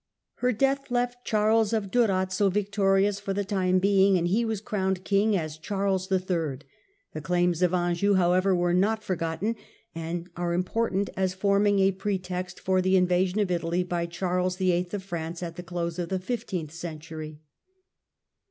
Her death left Charles of Durazzo victorious for the time being, and he was crowned King as Charles IH. ; the claims of Anjou, however, were not forgotten, and are important as forming a pretext for the invasion of Italy by Charles VIII. of France at the close of the fifteenth century.